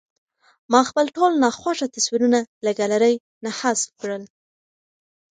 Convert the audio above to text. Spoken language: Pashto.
ما خپل ټول ناخوښه تصویرونه له ګالرۍ نه حذف کړل.